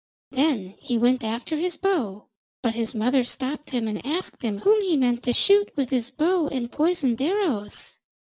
Then he went after his bow, but his mother stopped him and asked him whom he meant to shoot with his bow and poisoned arrows.